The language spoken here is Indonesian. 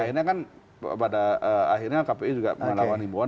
akhirnya kan pada akhirnya kpi juga melakukan imbauan